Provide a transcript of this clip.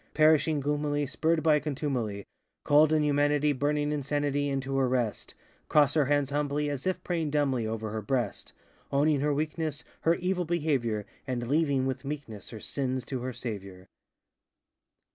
Perhishing gloomily, Spurred by contumely, Cold inhumanity, Burning insanity, Into her rest, ŌĆö Cross her hands humbly, As if praying dumbly, Over her breast! Owning her weakness, Her evil behavior, And leaving, with meekness, Her sins to her Saviour!